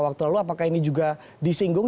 waktu lalu apakah ini juga disinggung